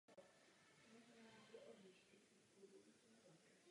Pracují několik metrů od sebe.